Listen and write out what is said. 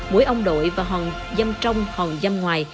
mỗi ông đội và hòn dâm trong hòn dâm ngoài